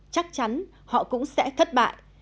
chắc chắn họ cũng sẽ thất bại